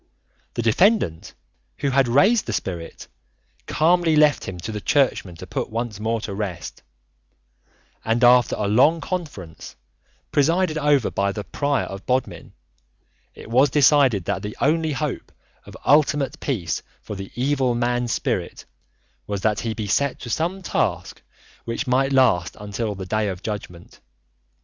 The defendant, who had raised the spirit, calmly left him to the Churchmen to put once more to rest, and after a long conference, presided over by the Prior of Bodmin, it was decided that the only hope of ultimate peace for the evil man's spirit was that he be set to some task which might last until the Day of Judgment.